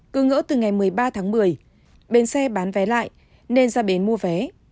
cứ ngỡ từ ngày một mươi ba tháng một mươi bến xe bán vé lại nên ra bến mua vé